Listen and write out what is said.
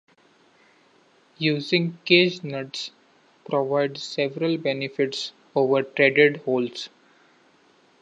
Using cage nuts provides several benefits over threaded holes.